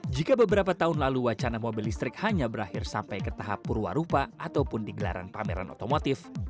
jika beberapa tahun lalu wacana mobil listrik hanya berakhir sampai ke tahap purwarupa ataupun digelaran pameran otomotif